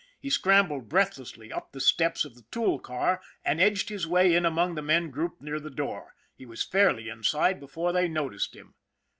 He scrambled breathlessly up the steps of the tool car and edged his way in among the men grouped near the door. He was fairly inside be fore they noticed him.